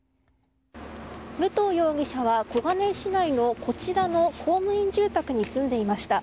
武藤容疑者は小金井市内のこちらの公務員住宅に住んでいました。